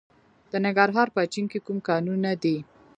د ننګرهار په اچین کې کوم کانونه دي؟